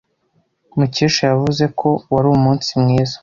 Mukesha yavuze ko wari umunsi mwiza.